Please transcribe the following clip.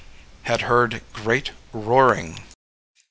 Had Heard Great Roaring.